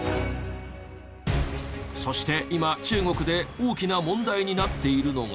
そして今中国で大きな問題になっているのが。